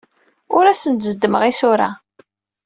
Ur asent-d-zeddmeɣ isura.